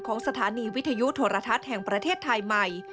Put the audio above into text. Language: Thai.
ของสถานีวิทยุโทรทัศน์แห่งประเทศไทยใหม่